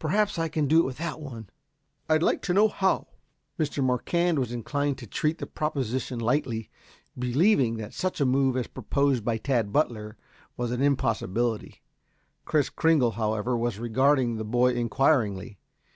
Perhaps I can do it without one." "I'd like to know how?" Mr. Marquand was inclined to treat the proposition lightly, believing that such a move as proposed by Tad Butler was an impossibility. Kris Kringle, however, was regarding the boy inquiringly.